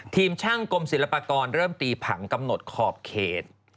ทีมช่างกรมศิลปากรเริ่มตีผังกำหนดขอบเขต